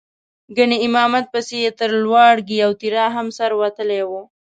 ګنې امامت پسې یې تر لواړګي او تیرا هم سر وتلی و.